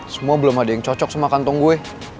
semua belum ada yang cocok sama kantong gue